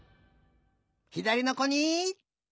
ひだりのこに！